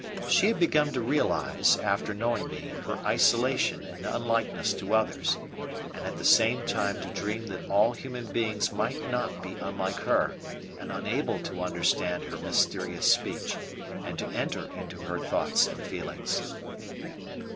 She had begun to realize, after knowing me, her isolation and unlikeness to others, and at the same time to dream that all human beings might not be unlike her and unable to understand her mysterious speech and to enter into her thoughts and feelings.